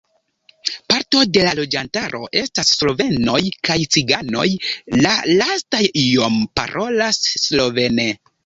Parto de la loĝantaro estas slovenoj kaj ciganoj, la lastaj iom parolas slovene.